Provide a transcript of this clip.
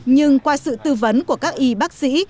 nhưng qua sự tư vấn của các y bác sĩ